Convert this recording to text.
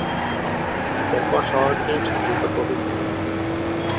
এরপর শহরটির দ্রুত প্রবৃদ্ধি ঘটে।